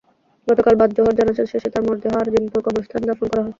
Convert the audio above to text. গতকাল বাদ জোহর জানাজা শেষে তাঁর মরদেহ আজিমপুর কবরস্থানে দাফন করা হয়।